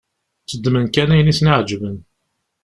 Tteddmen kan ayen i sen-iεeǧben.